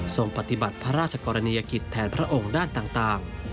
ปฏิบัติพระราชกรณียกิจแทนพระองค์ด้านต่าง